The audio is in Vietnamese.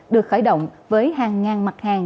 được khởi động với hàng ngàn mặt hàng